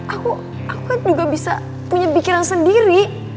aku aku kan juga bisa punya pikiran sendiri